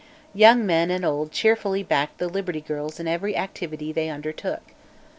Young men and old cheerfully backed the Liberty Girls in every activity they undertook.